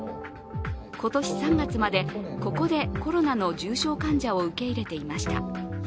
今年３月まで、ここでコロナの重症患者を受け入れていました。